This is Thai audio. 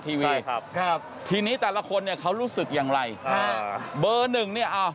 ทีวีครับครับทีนี้แต่ละคนเนี่ยเขารู้สึกอย่างไรอ่าเบอร์หนึ่งเนี่ยอ้าว